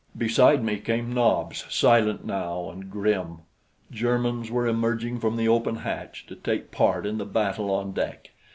Beside me came Nobs, silent now, and grim. Germans were emerging from the open hatch to take part in the battle on deck.